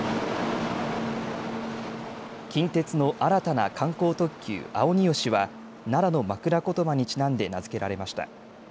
近鉄の新たな観光特急、あをによしは奈良の枕ことばにちなんで名付けられました。